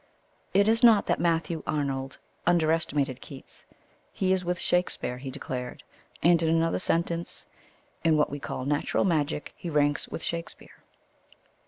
It is not that Matthew Arnold under estimated Keats. "He is with Shakespeare," he declared; and in another sentence: "In what we call natural magic, he ranks with Shakespeare."